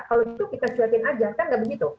kalau gitu kita cuetin aja kan nggak begitu